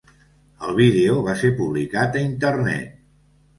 El vídeo va ser publicat a Internet.